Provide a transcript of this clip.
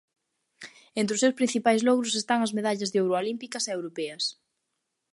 Entre os seus principais logros están as medallas de ouro olímpicas e europeas.